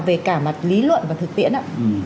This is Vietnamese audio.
về cả mặt lý luận và thực tiễn ạ